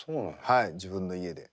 はい自分の家で。